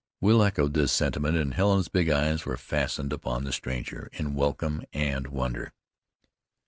Will echoed this sentiment, and Helen's big eyes were fastened upon the stranger in welcome and wonder.